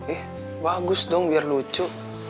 eh bagus dong biar lucu